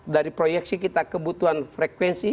dari proyeksi kita kebutuhan frekuensi